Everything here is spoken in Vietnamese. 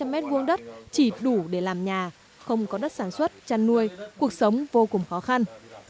hai trăm linh mét vuông đất chỉ đủ để làm nhà không có đất sản xuất chăn nuôi cuộc sống vô cùng khó khăn